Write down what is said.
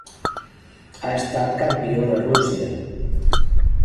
Ha estat Campió de Rússia.